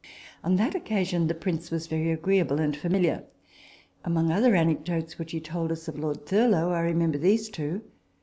On that occasion the Prince was very agreeable and familiar. Among other anecdotes which he told us of Lord Thurlow, I remember these two.